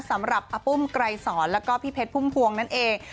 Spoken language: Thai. สำหรับอปุ้มไกรสอนแล้วก็พี่เพชรพุ่มพวงนั่นเอง